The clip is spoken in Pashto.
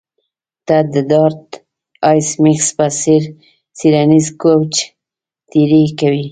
ته د ډارت ایس میکس په څیړنیز کوچ تیری کوې